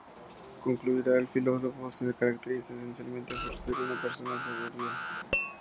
Concluirá que el filósofo se caracteriza esencialmente por ser una persona soberbia.